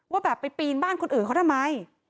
ว่าแบบไปปีนบ้านคนอื่นเขาทำไม